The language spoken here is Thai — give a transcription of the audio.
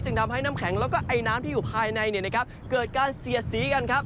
ทำให้น้ำแข็งแล้วก็ไอน้ำที่อยู่ภายในเกิดการเสียดสีกันครับ